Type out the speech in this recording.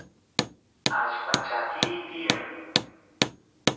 allpa chakiy tiyan